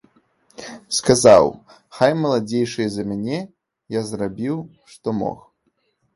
Сказаў, хай маладзейшыя за мяне, я зрабіў, што мог.